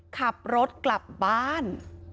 ขับรถกลับบ้าน